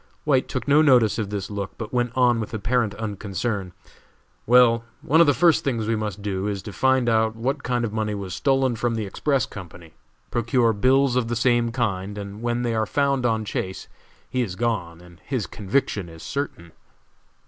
White took no notice of this look, but went on with apparent unconcern. "Well, one of the first things we must do is to find out what kind of money was stolen from the Express Company, procure bills of the same kind, and when they are found on Chase, he is gone, and his conviction is certain."